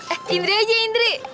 eh indri aja indri